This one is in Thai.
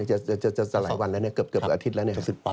จะสลายวันแล้วเกือบอาทิตย์แล้วเนี่ย